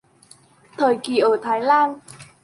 Thời kỳ ở Thái Lan